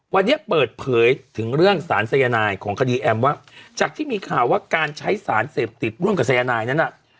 วันนี้เปิดเผยถึงเรื่องสารสายนายของคดีแอมว่าจากที่มีข่าวว่าการใช้สารเสพติดร่วมกับสายนายนั้นน่ะ